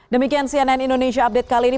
demikian cnn indonesia update kali ini